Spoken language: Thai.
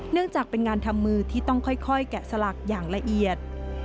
เนื่องจากเป็นงานทำมือที่ต้องค่อยแกะสลักอย่างละเอียด